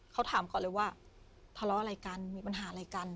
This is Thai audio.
เขาถามก่อนเลยว่าทะเลาะอะไรกันมีปัญหาอะไรกัน